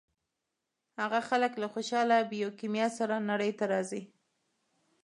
هغه خلک له خوشاله بیوکیمیا سره نړۍ ته راځي.